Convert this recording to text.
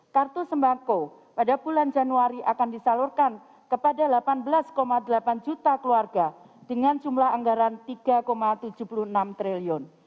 kartu sembako pada bulan januari akan disalurkan kepada delapan belas delapan juta keluarga dengan jumlah anggaran rp tiga tujuh puluh enam triliun